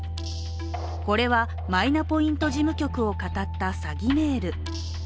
これはマイナポイント事務局をかたった詐欺メール。